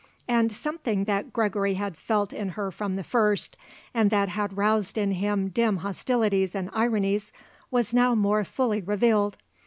And something that Gregory had felt in her from the first, and that had roused in him dim hostilities and ironies, was now more fully revealed.